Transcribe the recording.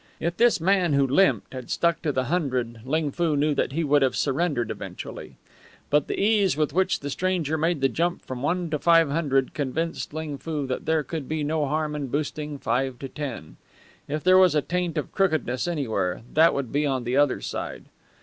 If this man who limped had stuck to the hundred Ling Foo knew that he would have surrendered eventually. But the ease with which the stranger made the jump from one to five convinced Ling Foo that there could be no harm in boosting five to ten. If there was a taint of crookedness anywhere, that would be on the other side.